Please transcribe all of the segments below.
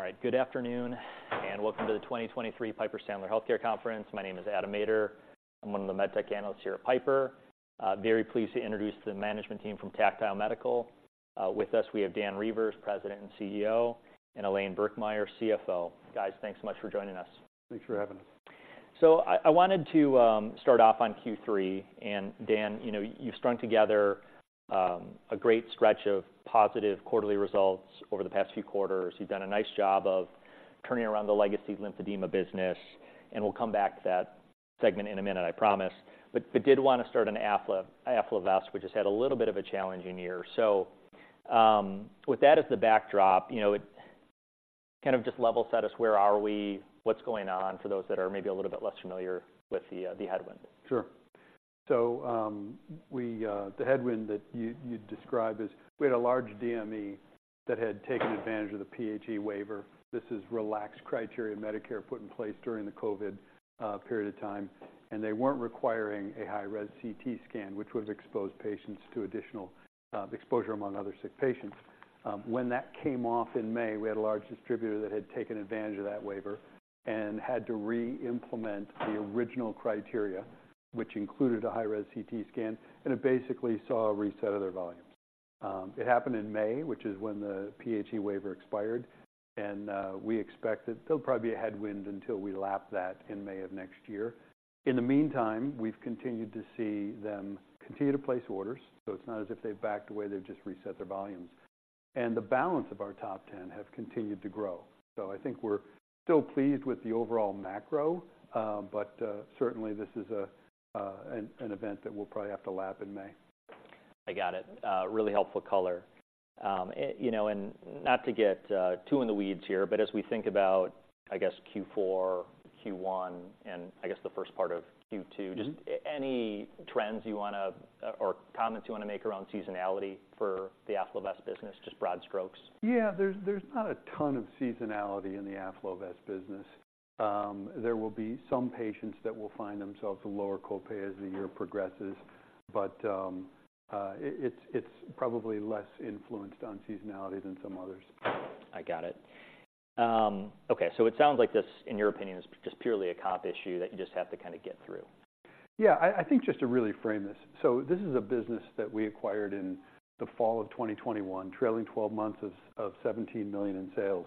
All right, good afternoon, and welcome to the 2023 Piper Sandler Healthcare Conference. My name is Adam Maeder. I'm one of the med tech analysts here at Piper. Very pleased to introduce the management team from Tactile Medical. With us, we have Dan Reuvers, President and CEO, and Elaine Birkemeyer, CFO. Guys, thanks so much for joining us. Thanks for having us. So I wanted to start off on Q3, and Dan, you know, you've strung together a great stretch of positive quarterly results over the past few quarters. You've done a nice job of turning around the legacy lymphedema business, and we'll come back to that segment in a minute, I promise. But did want to start on AffloVest, which has had a little bit of a challenging year. So with that as the backdrop, you know, kind of just level set us, where are we? What's going on, for those that are maybe a little bit less familiar with the headwind? Sure. So, the headwind that you describe is we had a large DME that had taken advantage of the PHE waiver. This is relaxed criteria Medicare put in place during the COVID period of time, and they weren't requiring a high-res CT scan, which would have exposed patients to additional exposure among other sick patients. When that came off in May, we had a large distributor that had taken advantage of that waiver and had to re-implement the original criteria, which included a high-res CT scan, and it basically saw a reset of their volumes. It happened in May, which is when the PHE waiver expired, and we expect that there'll probably be a headwind until we lap that in May of next year. In the meantime, we've continued to see them continue to place orders, so it's not as if they've backed away, they've just reset their volumes. The balance of our top 10 have continued to grow. I think we're still pleased with the overall macro, but certainly, this is an event that we'll probably have to lap in May. I got it. Really helpful color. You know, and not to get too in the weeds here, but as we think about, I guess, Q4, Q1, and I guess the first part of Q2- Just any trends you want to, or comments you want to make around seasonality for the AffloVest business? Just broad strokes. Yeah, there's not a ton of seasonality in the AffloVest business. There will be some patients that will find themselves a lower copay as the year progresses, but it's probably less influenced on seasonality than some others. I got it. Okay, so it sounds like this, in your opinion, is just purely a COPD issue that you just have to kind of get through. Yeah, I think just to really frame this, so this is a business that we acquired in the fall of 2021, trailing twelve months of $17 million in sales.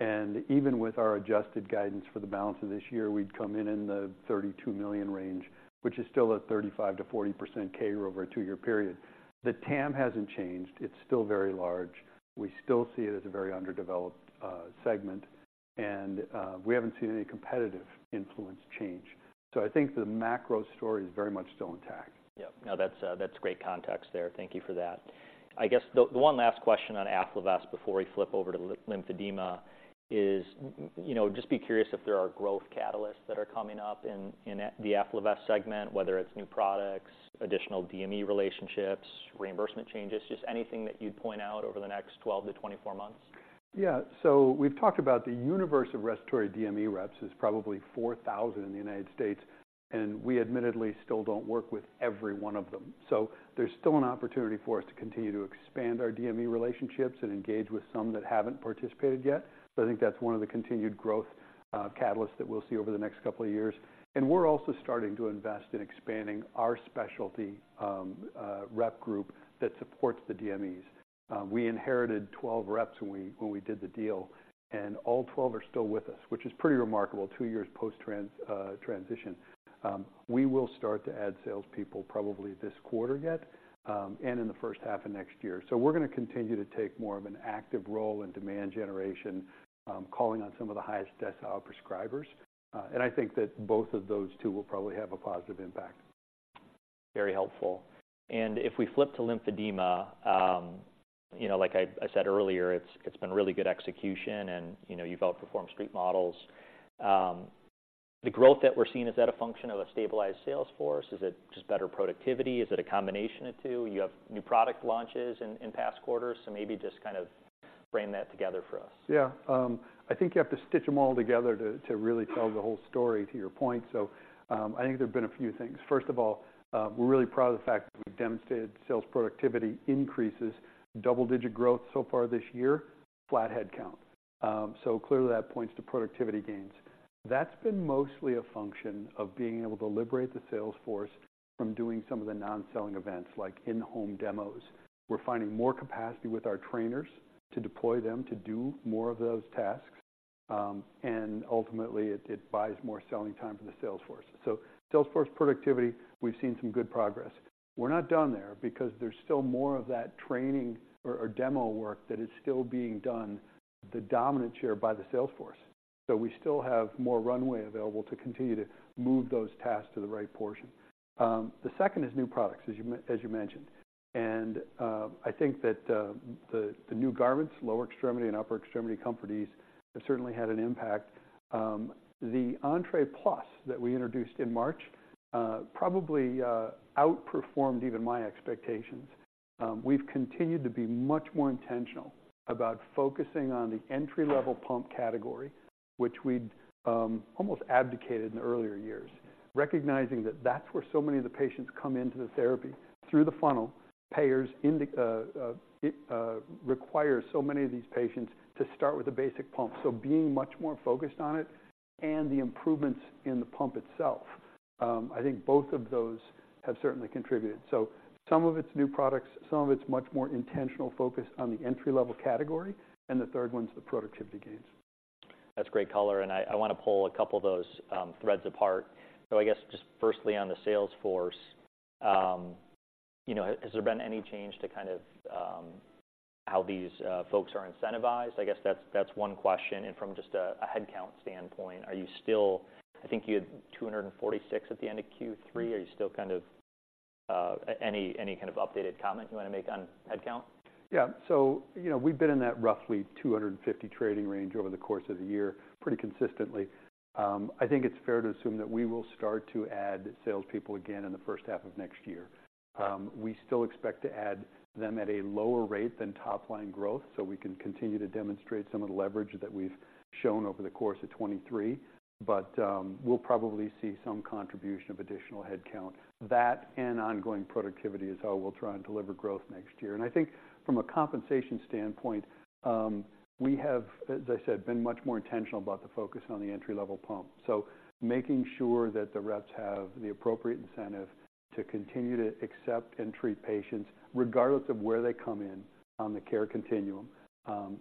And even with our adjusted guidance for the balance of this year, we'd come in in the $32 million range, which is still a 35%-40% CAGR over a two-year period. The TAM hasn't changed. It's still very large. We still see it as a very underdeveloped segment, and we haven't seen any competitive influence change. So I think the macro story is very much still intact. Yeah. No, that's, that's great context there. Thank you for that. I guess the, the one last question on AffloVest before we flip over to lymphedema is, you know, just be curious if there are growth catalysts that are coming up in, in the AffloVest segment, whether it's new products, additional DME relationships, reimbursement changes, just anything that you'd point out over the next 12-24 months. Yeah. So we've talked about the universe of respiratory DME reps is probably 4,000 in the United States, and we admittedly still don't work with every one of them. So there's still an opportunity for us to continue to expand our DME relationships and engage with some that haven't participated yet. So I think that's one of the continued growth catalysts that we'll see over the next couple of years. And we're also starting to invest in expanding our specialty rep group that supports the DMEs. We inherited 12 reps when we did the deal, and all 12 are still with us, which is pretty remarkable two years post-transition. We will start to add salespeople probably this quarter yet, and in the first half of next year. So we're going to continue to take more of an active role in demand generation, calling on some of the highest decile prescribers. And I think that both of those two will probably have a positive impact. Very helpful. And if we flip to Lymphedema, you know, like I, I said earlier, it's, it's been really good execution, and, you know, you've outperformed Street models. The growth that we're seeing, is that a function of a stabilized sales force? Is it just better productivity? Is it a combination of two? You have new product launches in, in past quarters, so maybe just kind of frame that together for us. Yeah. I think you have to stitch them all together to really tell the whole story, to your point. So, I think there have been a few things. First of all, we're really proud of the fact that we've demonstrated sales productivity increases, double-digit growth so far this year, flat head count. So clearly, that points to productivity gains. That's been mostly a function of being able to liberate the sales force from doing some of the non-selling events, like in-home demos. We're finding more capacity with our trainers to deploy them to do more of those tasks, and ultimately, it buys more selling time for the sales force. So sales force productivity, we've seen some good progress. We're not done there because there's still more of that training or demo work that is still being done, the dominant share by the sales force. So we still have more runway available to continue to move those tasks to the right portion. The second is new products, as you mentioned, and I think that the new garments, lower extremity and upper extremity garments, have certainly had an impact. The Entre Plus that we introduced in March probably outperformed even my expectations. We've continued to be much more intentional about focusing on the entry-level pump category, which we'd almost abdicated in the earlier years, recognizing that that's where so many of the patients come into the therapy through the funnel. Payers require so many of these patients to start with a basic pump. So being much more focused on it and the improvements in the pump itself. I think both of those have certainly contributed. So some of it's new products, some of it's much more intentional focus on the entry-level category, and the third one's the productivity gains. That's great color, and I, I wanna pull a couple of those, threads apart. So I guess just firstly, on the sales force, you know, has, has there been any change to kind of, how these, folks are incentivized? I guess that's, that's one question. And from just a, a headcount standpoint, are you still—I think you had 246 at the end of Q3. Are you still kind of... Any, any kind of updated comment you wanna make on headcount? Yeah. So, you know, we've been in that roughly 250 trading range over the course of the year, pretty consistently. I think it's fair to assume that we will start to add salespeople again in the first half of next year. We still expect to add them at a lower rate than top-line growth, so we can continue to demonstrate some of the leverage that we've shown over the course of 2023. But, we'll probably see some contribution of additional headcount. That and ongoing productivity is how we'll try and deliver growth next year. And I think from a compensation standpoint, we have, as I said, been much more intentional about the focus on the entry-level pump. Making sure that the reps have the appropriate incentive to continue to accept and treat patients, regardless of where they come in on the care continuum,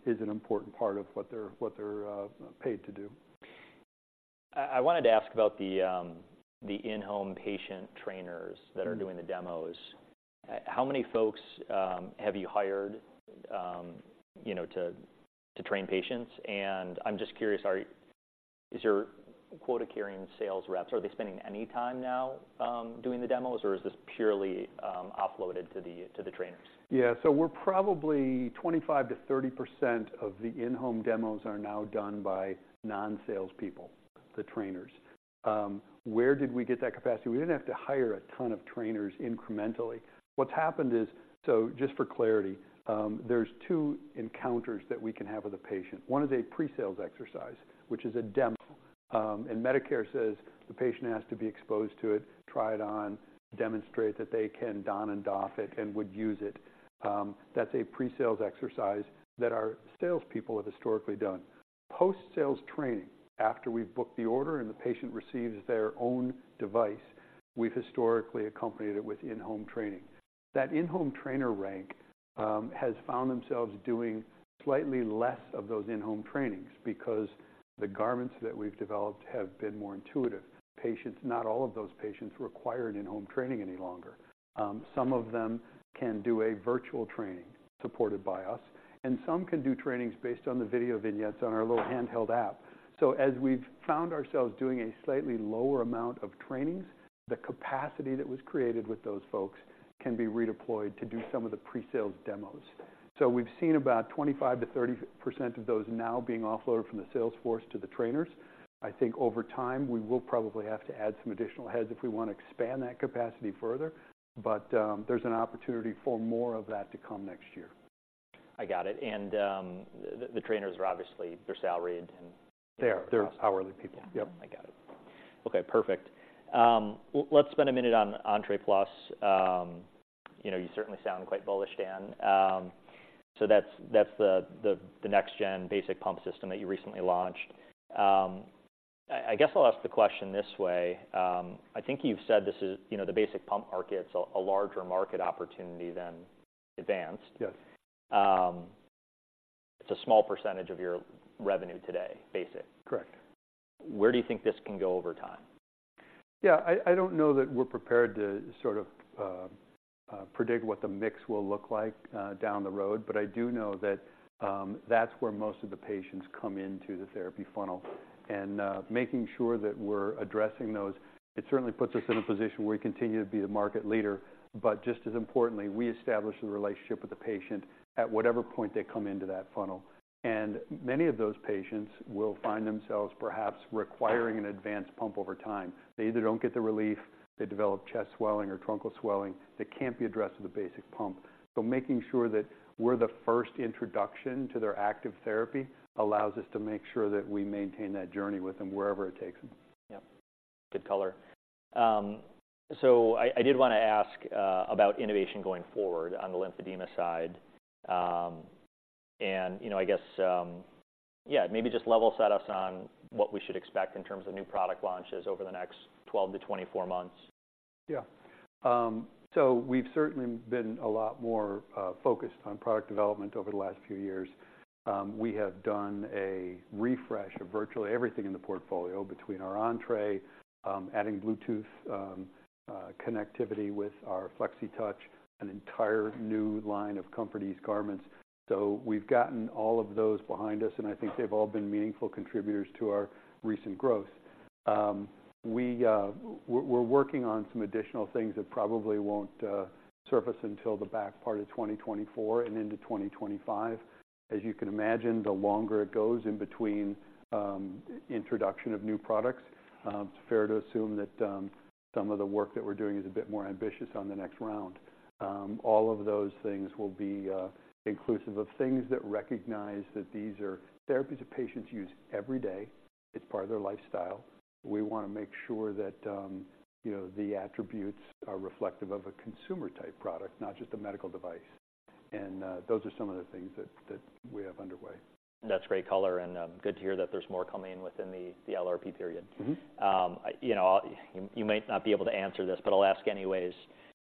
is an important part of what they're paid to do. I wanted to ask about the, the in-home patient trainers- that are doing the demos. How many folks have you hired, you know, to train patients? And I'm just curious, is your quota-carrying sales reps, are they spending any time now doing the demos, or is this purely offloaded to the trainers? Yeah. So we're probably 25%-30% of the in-home demos are now done by non-salespeople, the trainers. Where did we get that capacity? We didn't have to hire a ton of trainers incrementally. What's happened is... So just for clarity, there's two encounters that we can have with a patient. One is a pre-sales exercise, which is a demo, and Medicare says the patient has to be exposed to it, try it on, demonstrate that they can don and doff it and would use it. That's a pre-sales exercise that our salespeople have historically done. Post-sales training, after we've booked the order and the patient receives their own device, we've historically accompanied it with in-home training. That in-home trainer rank has found themselves doing slightly less of those in-home trainings because the garments that we've developed have been more intuitive. Patients, not all of those patients require an in-home training any longer. Some of them can do a virtual training supported by us, and some can do trainings based on the video vignettes on our little handheld app. So as we've found ourselves doing a slightly lower amount of trainings, the capacity that was created with those folks can be redeployed to do some of the pre-sales demos. So we've seen about 25%-30% of those now being offloaded from the sales force to the trainers. I think over time, we will probably have to add some additional heads if we want to expand that capacity further, but there's an opportunity for more of that to come next year. I got it. And, the trainers are obviously, they're salaried, and- They are. They're hourly people. Yeah. Yep. I got it. Okay, perfect. Let's spend a minute on Entre Plus. You know, you certainly sound quite bullish, Dan. So that's the next gen basic pump system that you recently launched. I guess I'll ask the question this way: I think you've said this is, you know, the basic pump market's a larger market opportunity than advanced. Yes. It's a small percentage of your revenue today, basic. Correct. Where do you think this can go over time? Yeah, I don't know that we're prepared to sort of predict what the mix will look like down the road, but I do know that that's where most of the patients come into the therapy funnel. And making sure that we're addressing those, it certainly puts us in a position where we continue to be the market leader, but just as importantly, we establish the relationship with the patient at whatever point they come into that funnel. And many of those patients will find themselves perhaps requiring an advanced pump over time. They either don't get the relief, they develop chest swelling or truncal swelling that can't be addressed with a basic pump. So making sure that we're the first introduction to their active therapy allows us to make sure that we maintain that journey with them wherever it takes them. Yep. Good color. I did wanna ask about innovation going forward on the lymphedema side. You know, I guess, yeah, maybe just level set us on what we should expect in terms of new product launches over the next 12-24 months. Yeah. So we've certainly been a lot more focused on product development over the last few years. We have done a refresh of virtually everything in the portfolio between our Entre, adding Bluetooth connectivity with our Flexitouch, an entire new line of ComfortEase garments. So we've gotten all of those behind us, and I think they've all been meaningful contributors to our recent growth. We're working on some additional things that probably won't surface until the back part of 2024 and into 2025. As you can imagine, the longer it goes in between introduction of new products, it's fair to assume that some of the work that we're doing is a bit more ambitious on the next round. All of those things will be inclusive of things that recognize that these are therapies that patients use every day. It's part of their lifestyle. We wanna make sure that, you know, the attributes are reflective of a consumer-type product, not just a medical device... and those are some of the things that we have underway. That's great color, and good to hear that there's more coming within the LRP period. You know, you might not be able to answer this, but I'll ask anyways.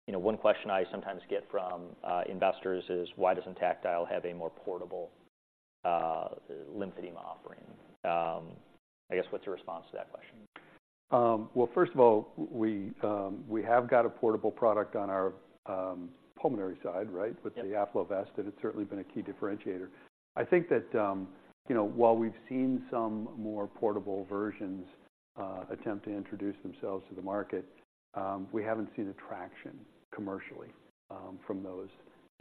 You know, one question I sometimes get from investors is: why doesn't Tactile have a more portable lymphedema offering? I guess, what's your response to that question? Well, first of all, we have got a portable product on our pulmonary side, right? Yep. With the AffloVest, and it's certainly been a key differentiator. I think that, you know, while we've seen some more portable versions attempt to introduce themselves to the market, we haven't seen traction commercially from those.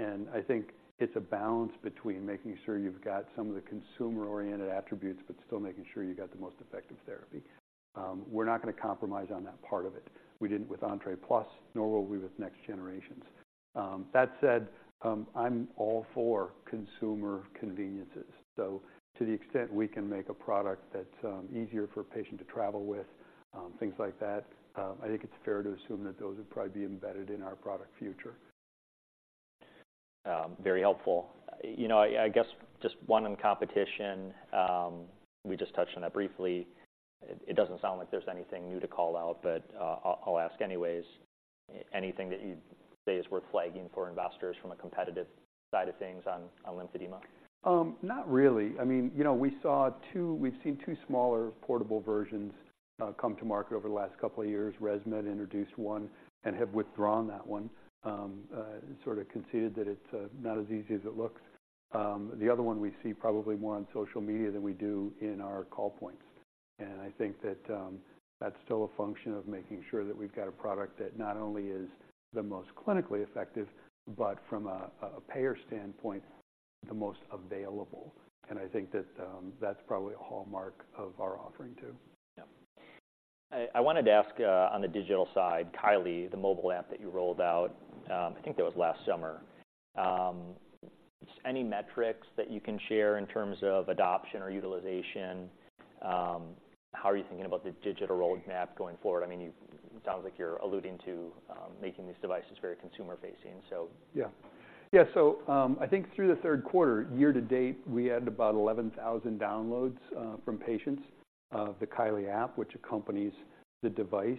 I think it's a balance between making sure you've got some of the consumer-oriented attributes, but still making sure you got the most effective therapy. We're not going to compromise on that part of it. We didn't with Entre Plus, nor will we with next generations. That said, I'm all for consumer conveniences. So to the extent we can make a product that's easier for a patient to travel with, things like that, I think it's fair to assume that those would probably be embedded in our product future. Very helpful. You know, I guess just one on competition. We just touched on that briefly. It doesn't sound like there's anything new to call out, but I'll ask anyways. Anything that you'd say is worth flagging for investors from a competitive side of things on lymphedema? Not really. I mean, you know, we've seen two smaller portable versions come to market over the last couple of years. ResMed introduced one and have withdrawn that one, sort of conceded that it's not as easy as it looks. The other one we see probably more on social media than we do in our call points, and I think that that's still a function of making sure that we've got a product that not only is the most clinically effective, but from a payer standpoint, the most available. And I think that that's probably a hallmark of our offering, too. Yeah. I wanted to ask on the digital side, Kylee, the mobile app that you rolled out. I think that was last summer. Any metrics that you can share in terms of adoption or utilization? How are you thinking about the digital roadmap going forward? I mean, you—it sounds like you're alluding to making these devices very consumer facing, so. Yeah. Yeah, so, I think through the third quarter, year to date, we added about 11,000 downloads from patients of the Kylee app, which accompanies the device,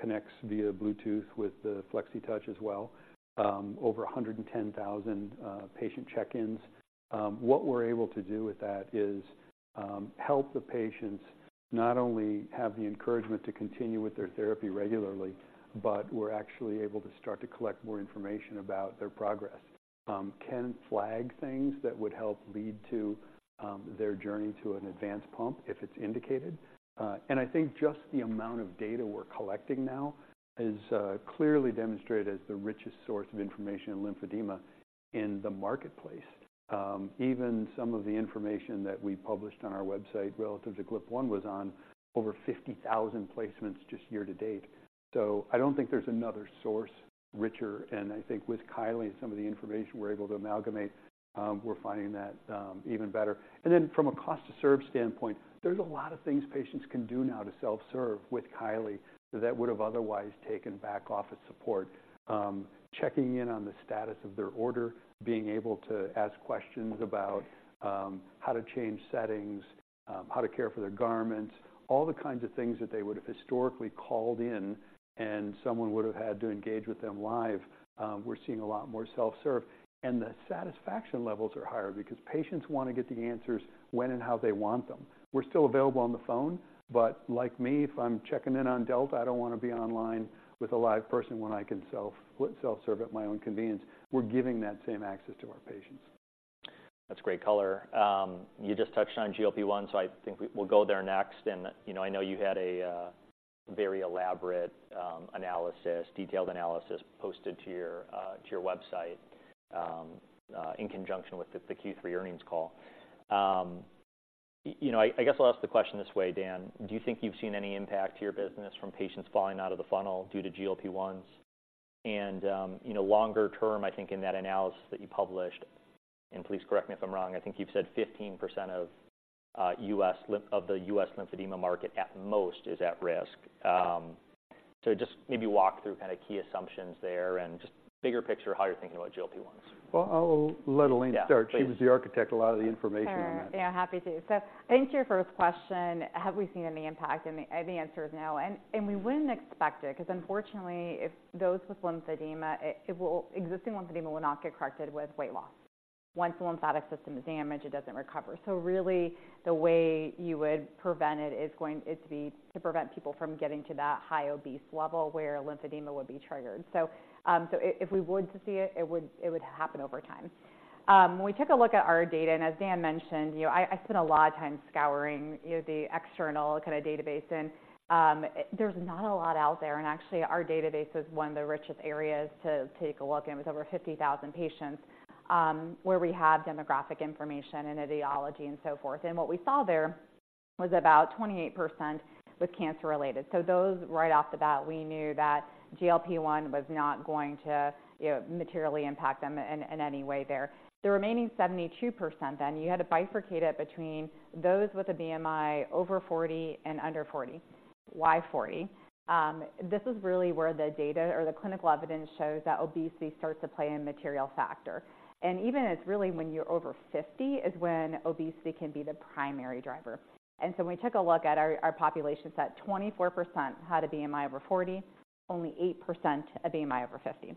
connects via Bluetooth with the Flexitouch as well. Over 110,000 patient check-ins. What we're able to do with that is help the patients not only have the encouragement to continue with their therapy regularly, but we're actually able to start to collect more information about their progress. Can flag things that would help lead to their journey to an advanced pump if it's indicated. And I think just the amount of data we're collecting now is clearly demonstrated as the richest source of information in lymphedema in the marketplace. Even some of the information that we published on our website relative to GLP-1 was on over 50,000 placements just year to date. So I don't think there's another source richer, and I think with Kylee and some of the information we're able to amalgamate, we're finding that even better. And then from a cost to serve standpoint, there's a lot of things patients can do now to self-serve with Kylee that would have otherwise taken back office support. Checking in on the status of their order, being able to ask questions about how to change settings, how to care for their garments, all the kinds of things that they would have historically called in, and someone would have had to engage with them live, we're seeing a lot more self-serve. The satisfaction levels are higher because patients want to get the answers when and how they want them. We're still available on the phone, but like me, if I'm checking in on Delta, I don't want to be online with a live person when I can self-serve at my own convenience. We're giving that same access to our patients. That's great color. You just touched on GLP-1, so I think we'll go there next. And, you know, I know you had a very elaborate, detailed analysis posted to your, to your website, in conjunction with the Q3 earnings call. You know, I guess I'll ask the question this way, Dan: do you think you've seen any impact to your business from patients falling out of the funnel due to GLP-1s? And, you know, longer term, I think in that analysis that you published, and please correct me if I'm wrong, I think you've said 15% of, U.S. lymp- of the U.S. lymphedema market at most, is at risk. So just maybe walk through kind of key assumptions there and just bigger picture, how you're thinking about GLP-1s. Well, I'll let Elaine start. Yeah, please. She was the architect of a lot of the information on that. Sure. Yeah, happy to. So thanks to your first question, have we seen any impact? And the answer is no. And we wouldn't expect it, because unfortunately, if those with lymphedema, existing lymphedema will not get corrected with weight loss. Once the lymphatic system is damaged, it doesn't recover. So really, the way you would prevent it is to prevent people from getting to that high obese level where lymphedema would be triggered. So, if we would see it, it would happen over time. When we took a look at our data, and as Dan mentioned, you know, I spent a lot of time scouring, you know, the external kind of database, and there's not a lot out there. And actually, our database is one of the richest areas to take a look in, with over 50,000 patients, where we have demographic information and etiology and so forth. And what we saw there was about 28% was cancer-related. So those right off the bat, we knew that GLP-1 was not going to, you know, materially impact them in, in any way there. The remaining 72% then, you had to bifurcate it between those with a BMI over 40 and under 40. Why 40? This is really where the data or the clinical evidence shows that obesity starts to play a material factor. And even it's really when you're over 50, is when obesity can be the primary driver. And so we took a look at our, our populations, at 24% had a BMI over 40, only 8% a BMI over 50.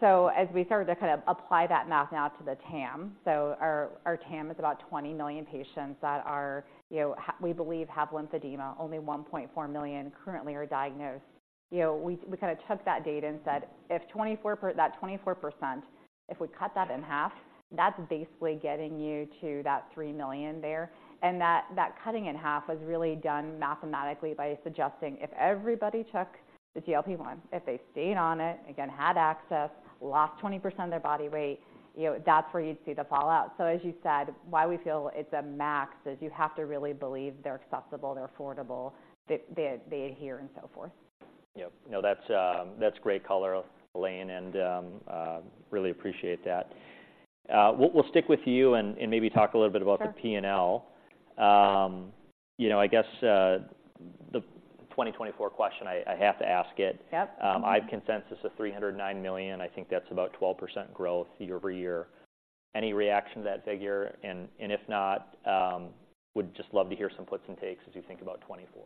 So as we started to kind of apply that math now to the TAM, so our, our TAM is about 20 million patients that are, you know, we believe, have lymphedema. Only 1.4 million currently are diagnosed. You know, we, we kinda took that data and said, "If 24%—that 24%, if we cut that in half, that's basically getting you to that 3 million there." And that, that cutting in half was really done mathematically by suggesting if everybody took the GLP-1, if they stayed on it, again, had access, lost 20% of their body weight, you know, that's where you'd see the fallout. So as you said, why we feel it's a max, is you have to really believe they're accessible, they're affordable, they, they, they adhere, and so forth. Yep. No, that's great color, Elaine, and really appreciate that. We'll stick with you and maybe talk a little bit about- Sure... the PNL. You know, I guess, the 2024 question, I have to ask it. Yep. I've consensus of $309 million. I think that's about 12% growth year over year. Any reaction to that figure? And, and if not, would just love to hear some puts and takes as you think about 2024.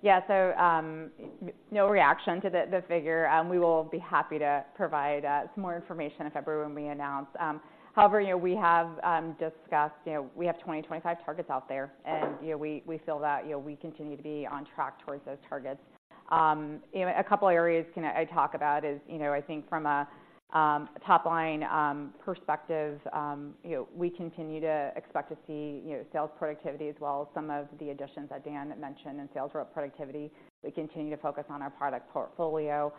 Yeah. So, no reaction to the figure. We will be happy to provide some more information in February when we announce. However, you know, we have discussed, you know, we have 2025 targets out there, and, you know, we feel that, you know, we continue to be on track towards those targets. You know, a couple areas can I talk about is, you know, I think from a top-line perspective, you know, we continue to expect to see, you know, sales productivity, as well as some of the additions that Dan mentioned in sales rep productivity. We continue to focus on our product portfolio.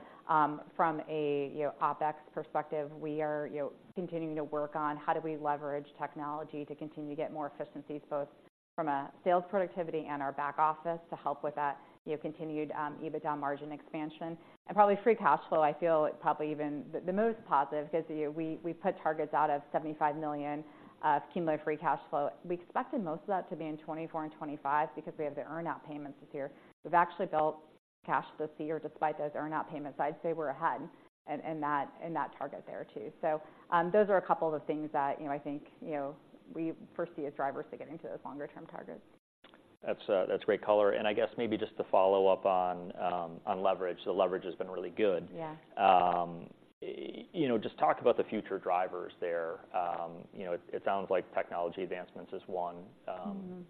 From a, you know, OpEx perspective, we are, you know, continuing to work on how do we leverage technology to continue to get more efficiencies, both from a sales productivity and our back office, to help with that, you know, continued EBITDA margin expansion. And probably free cash flow, I feel, probably even the most positive, 'cause, you know, we put targets out of $75 million of cumulative free cash flow. We expected most of that to be in 2024 and 2025 because we have the earn-out payments this year. We've actually built cash this year despite those earn-out payments. I'd say we're ahead in that target there, too. So, those are a couple of the things that, you know, I think, you know, we foresee as drivers to getting to those longer term targets. That's great color. I guess maybe just to follow up on leverage. The leverage has been really good. Yeah. You know, just talk about the future drivers there. You know, it sounds like technology advancements is one-...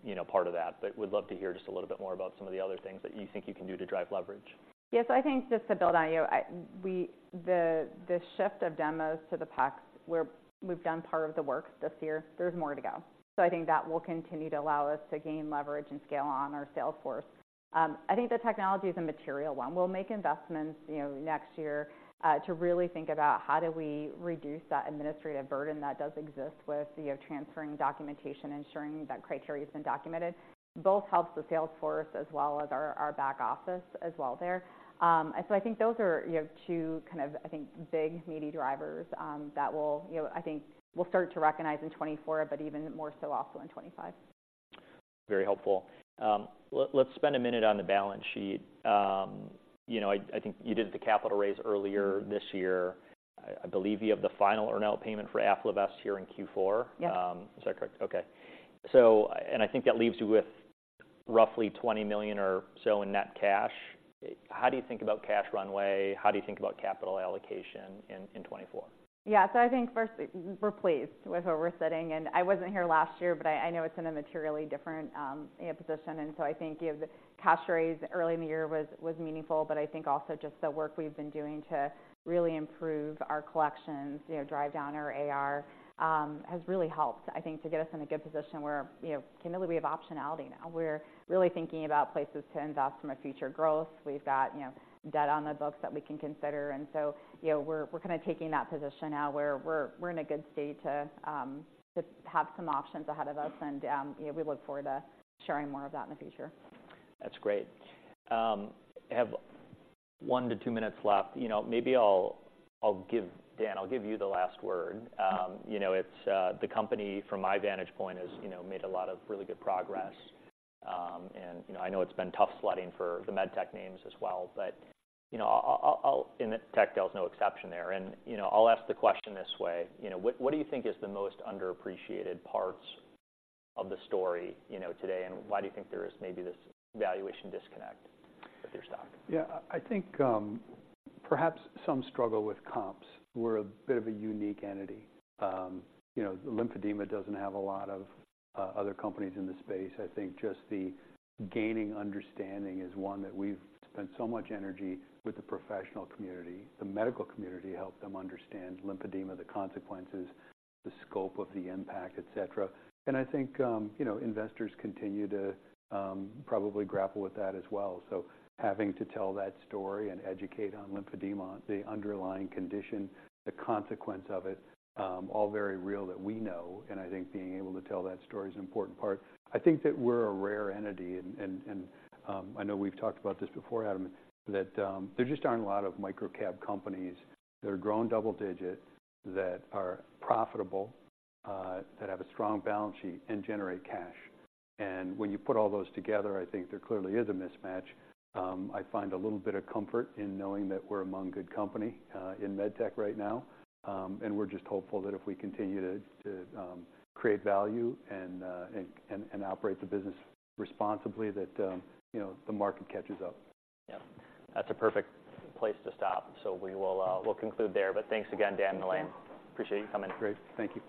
you know, part of that. But we'd love to hear just a little bit more about some of the other things that you think you can do to drive leverage. Yes, I think just to build on you, we, the shift of demos to the PEX, where we've done part of the work this year, there's more to go. So I think that will continue to allow us to gain leverage and scale on our sales force. I think the technology is a material one. We'll make investments, you know, next year, to really think about how do we reduce that administrative burden that does exist with, you know, transferring documentation, ensuring that criteria has been documented. Both helps the sales force as well as our, our back office as well there. And so I think those are, you know, two kind of, I think, big meaty drivers, that will, you know, I think we'll start to recognize in 2024, but even more so also in 2025. Very helpful. Let's spend a minute on the balance sheet. You know, I think you did the capital raise earlier-... this year. I believe you have the final earnout payment for AffloVest here in Q4? Yeah. Is that correct? Okay. So and I think that leaves you with roughly $20 million or so in net cash. How do you think about cash runway? How do you think about capital allocation in 2024? Yeah. So I think, first, we're pleased with where we're sitting, and I wasn't here last year, but I know it's in a materially different, you know, position. And so I think, you know, the cash raise early in the year was meaningful, but I think also just the work we've been doing to really improve our collections, you know, drive down our AR, has really helped, I think, to get us in a good position where, you know, seemingly we have optionality now. We're really thinking about places to invest from a future growth. We've got, you know, debt on the books that we can consider, and so, you know, we're kinda taking that position now, where we're in a good state to have some options ahead of us. You know, we look forward to sharing more of that in the future. That's great. I have 1-2 minutes left. You know, maybe I'll, I'll give... Dan, I'll give you the last word. Sure. You know, it's the company, from my vantage point, has, you know, made a lot of really good progress. And, you know, I know it's been tough sledding for the med tech names as well. But, you know, I'll—and Tactile is no exception there, and, you know, I'll ask the question this way: You know, what do you think is the most underappreciated parts of the story, you know, today, and why do you think there is maybe this valuation disconnect with your stock? Yeah. I think perhaps some struggle with comps. We're a bit of a unique entity. You know, lymphedema doesn't have a lot of other companies in the space. I think just the gaining understanding is one that we've spent so much energy with the professional community. The medical community helped them understand lymphedema, the consequences, the scope of the impact, et cetera. And I think you know, investors continue to probably grapple with that as well. So having to tell that story and educate on lymphedema, the underlying condition, the consequence of it, all very real that we know, and I think being able to tell that story is an important part. I think that we're a rare entity, and I know we've talked about this before, Adam, that there just aren't a lot of microcap companies that are growing double digit, that are profitable, that have a strong balance sheet and generate cash. And when you put all those together, I think there clearly is a mismatch. I find a little bit of comfort in knowing that we're among good company in med tech right now. And we're just hopeful that if we continue to create value and operate the business responsibly, you know, the market catches up. Yeah. That's a perfect place to stop. So we will, we'll conclude there. But thanks again, Dan and Elaine. Sure. Appreciate you coming. Great. Thank you.